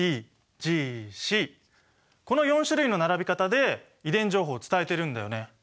この４種類の並び方で遺伝情報を伝えてるんだよね。